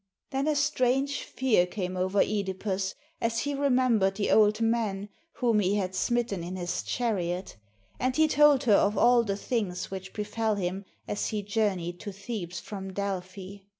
Then a strange fear came over (Edipus, as he remembered the old man whom he had smitten in his chariot, and he told her of all the things which befell him as he journeyed to Thebes from Delphi.